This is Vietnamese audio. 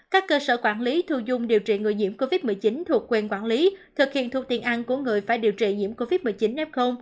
các cơ sở quản lý thu dung điều trị người nhiễm covid một mươi chín thuộc quyền quản lý thực hiện thu tiền ăn của người phải điều trị nhiễm covid một mươi chín f